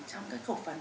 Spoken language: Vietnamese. trong các khẩu phần